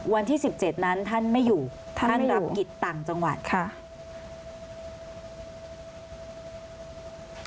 วันที่๑๗นั้นท่านไม่อยู่ท่านรับกิจต่างจังหวัดค่ะ